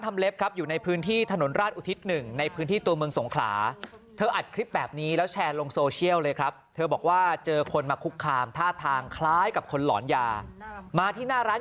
ไม่งั้นก็จะเอาไปไม่ได้นะคะ